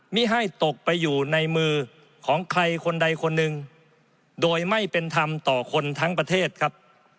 ไม่ให้ตกไปอยู่ในมือของใครคนใดคนหนึ่งโดยไม่เป็นธรรมต่อคนทั้งประเทศครับ